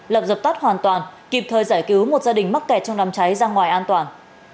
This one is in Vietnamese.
lập dập tắt hoàn toàn kịp thời giải cứu một gia đình mắc kẹt trong đám cháy ra ngoài an toàn